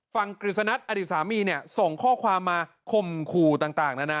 กฤษณ์อดีตสามีเนี่ยส่งข้อความมาข่มขู่ต่างนานา